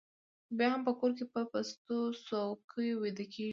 خو بیا هم په کور کې په پستو څوکیو ویده کېږي